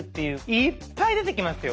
いっぱい出てきますよ。